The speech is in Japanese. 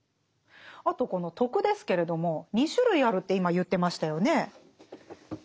あとこの「徳」ですけれども２種類あるって今言ってましたよね。